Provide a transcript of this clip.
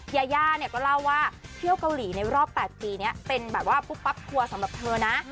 ยาย่าเนี่ยก็เล่าว่าเที่ยวเกาหลีในรอบ๘ปีนี้เป็นแบบว่าปุ๊บปั๊บทัวร์สำหรับเธอนะ